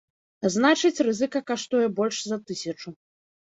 А значыць, рызыка каштуе больш за тысячу.